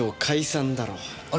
あれ？